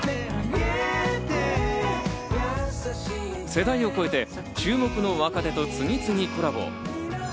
世代を超えて、注目の若手と次々コラボ。